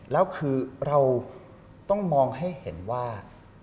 แล้วคือเราต้องมองให้เห็นว่า